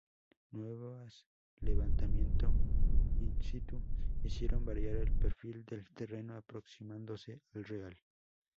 Nuevas levantamiento "in situ" hicieron variar el perfil del terreno aproximándose al real.